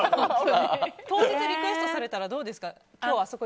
当日、リクエストされたらどうですか？